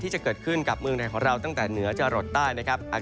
ที่จะจะเกิดขึ้นตั้งแต่ต้นเขา